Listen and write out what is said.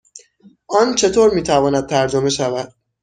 آن چطور می تواند ترجمه شود؟